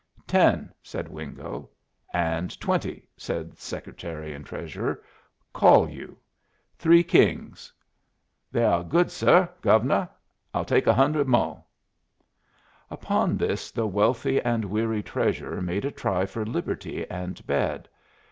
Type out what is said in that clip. "Ten," said Wingo. "And twenty," said the Secretary and Treasurer. "Call you." "Three kings." "They are good, suh. Gove'nuh, I'll take a hun'red mo'." Upon this the wealthy and weary Treasurer made a try for liberty and bed.